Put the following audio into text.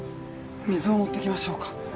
水を持ってきましょうか？